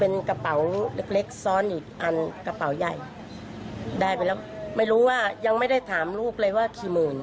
ไม่รู้ว่ายังไม่ได้ถามลูกเลยว่าที่หมื่น